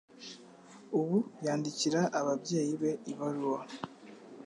Ubu yandikira ababyeyi be ibaruwa.